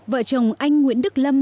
vợ chồng anh nguyễn đức lâm